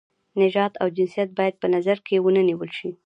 نژاد او جنسیت باید په نظر کې ونه نیول شي.